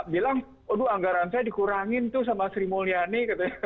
bilang aduh anggaran saya dikurangin tuh sama sri mulyani